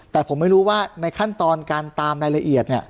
แต่ผมไม่รู้ว่าในขั้นตอนการตามรายละเอียดเนี่ย